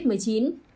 chỉ hoãn tiêm chủng